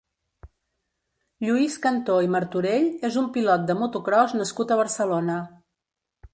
Lluís Cantó i Martorell és un pilot de motocròs nascut a Barcelona.